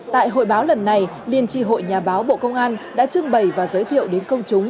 tại hội báo lần này liên tri hội nhà báo bộ công an đã trưng bày và giới thiệu đến công chúng